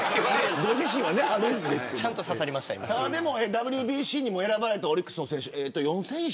ＷＢＣにも選ばれたオリックスの選手。